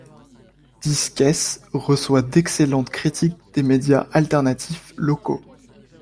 Disques, reçoit d'excellentes critiques des médias alternatifs locaux.